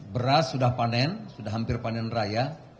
beras sudah panen sudah hampir panen raya